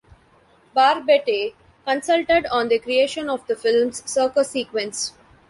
Barbette consulted on the creation of the film's circus sequence.